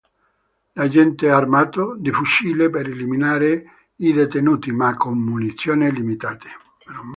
L'agente è armato di fucile per eliminare i detenuti, ma con munizioni limitate.